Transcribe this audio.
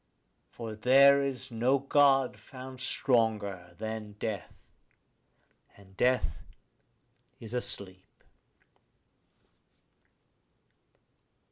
For there is no God found stronger than death; and death is a sleep.